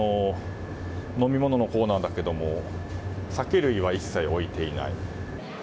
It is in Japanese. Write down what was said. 飲み物のコーナーだけど酒類は一切置いていない。